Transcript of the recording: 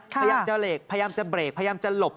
พยายามจะเหลกพยายามจะเบรกพยายามจะหลบ